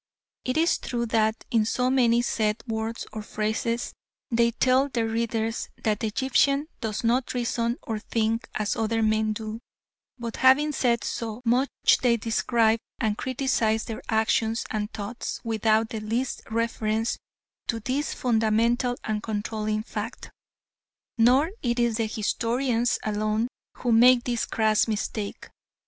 It is true that in so many set words or phrases they tell their readers that the Egyptian does not reason or think as other men do, but having said so much they describe and criticise their actions and thoughts without the least reference to this fundamental and controlling fact. Nor is it the historians alone who make this crass mistake.